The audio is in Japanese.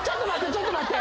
ちょっと待って。